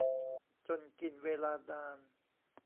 จนกินเวลานาน